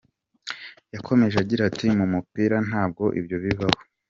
Yakomeje agira ati “Mu mupira ntabwo ibyo bibaho.